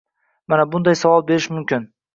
mana bunday savol berish mumkin: